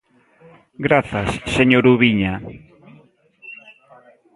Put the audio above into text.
Grazas, señor Ubiña.